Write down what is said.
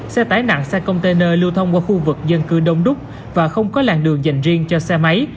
xe tải nặng xe container lưu thông qua khu vực dân cư đông đúc và không có làng đường dành riêng cho xe máy